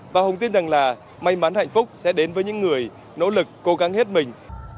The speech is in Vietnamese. và hùng tin rằng là may mắn hạnh phúc sẽ đến với những người nỗ lực cố gắng hết mình